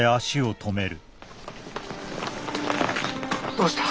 どうした？